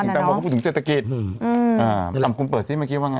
แต่ว่าเขาพูดถึงเศรษฐกิจอืมอืมอ่าอ๋อคุณเปิดซิเมื่อกี้ว่าไงอ่ะ